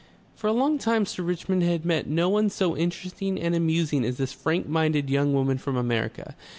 For a long time Sir Richmond had met no one so interesting and amusing as this frank minded young woman from America.